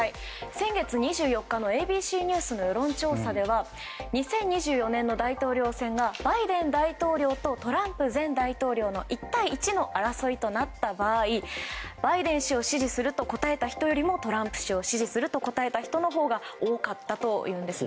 先月２４日のＡＢＣニュースの世論調査では２０２４年の大統領選がバイデン大統領とトランプ前大統領の１対１の争いとなった場合バイデン氏を支持すると答えた人よりもトランプ氏を支持すると答えた人のほうが多かったというんですね。